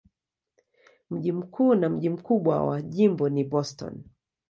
Mji mkuu na mji mkubwa wa jimbo ni Boston.